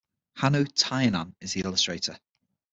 Hannu Tainan is the illustrator.